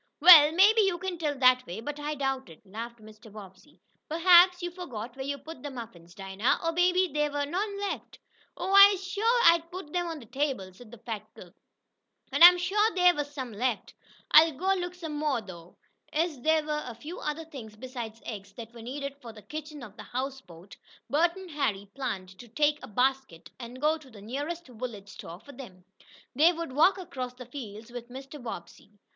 "Well, maybe you can tell that way, but I doubt it," laughed Mr. Bobbsey. "Perhaps you forgot where you put the muffins, Dinah, or maybe there were none left." "Oh, I'se shuah I done put 'em on de table," said the fat cook, "an' I'se shuah dey was some left. I'll go look some mo', though." As there were a few other things besides eggs that were needed for the kitchen of the houseboat, Bert and Harry planned to take a basket, and go to the nearest village store for them. They would walk across the fields with Mr. Bobbsey.